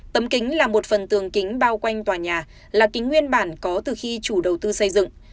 tấm kính là một phần tường kính bao quanh tòa nhà là kính nguyên bản có từ khi chủ đầu tư xây dựng